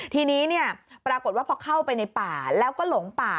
ทีนี้ปรากฏว่าพอเข้าไปในป่าแล้วก็หลงป่า